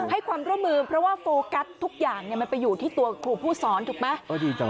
ให้ความร่วมมือเพราะว่าโฟกัสทุกอย่างมันไปอยู่ที่ตัวครูผู้สอนถูกไหม